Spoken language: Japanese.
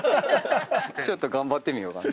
ちょっと頑張ってみようかな。